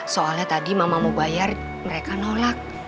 soalnya tadi mama mau bayar mereka nolak